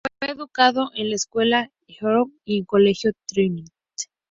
Fue educado en la Escuela Harrow y en el Colegio Trinity.